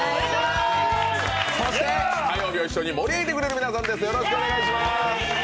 そして火曜日を一緒に盛り上げてくれる皆さんです。